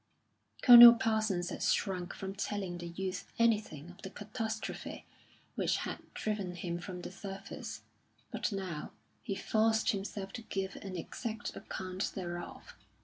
Colonel Parsons had shrunk from telling the youth anything of the catastrophe which had driven him from the service; but now he forced himself to give an exact account thereof.